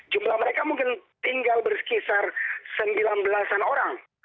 jumlah mereka mungkin tinggal bersekisar sembilan belasan orang